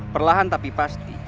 perlahan tapi pasti